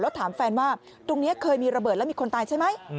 แล้วถามแฟนว่าตรงนี้เคยมีระเบิดแล้วมีคนตายใช่ไหม